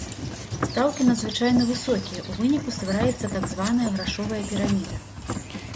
Стаўкі надзвычайна высокія, у выніку ствараецца так званая грашовая піраміда.